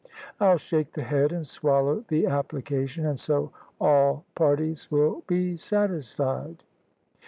I'll shake the head and swallow the application, and so all parties will be satisfied."